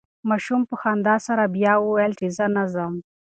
ماشوم په خندا سره بیا وویل چې زه نه ځم.